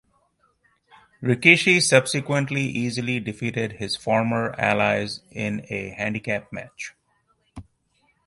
Rikishi subsequently easily defeated his former allies in a handicap match.